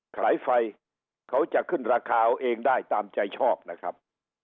ไฟเขาจะขึ้นราคาเอาเองได้ตามใจชอบนะครับ